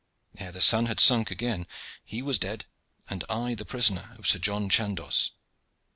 Ere the sun had sunk again he was dead, and I the prisoner of Sir John Chandos.